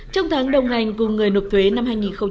trong tháng đồng hành cùng người nộp thuế năm hai nghìn một mươi chín